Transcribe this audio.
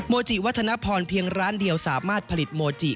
จิวัฒนพรเพียงร้านเดียวสามารถผลิตโมจิ